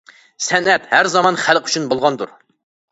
سەنئەت ھەر زامان خەلق ئۈچۈن بولغاندۇر.